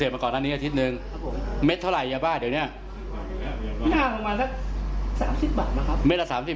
เพราะผมให้